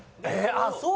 ああそう？